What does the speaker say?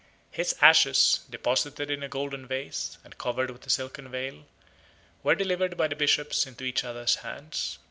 His ashes, deposited in a golden vase, and covered with a silken veil, were delivered by the bishops into each other's hands.